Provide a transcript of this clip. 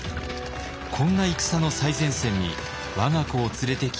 こんな戦の最前線に我が子を連れてきた信長。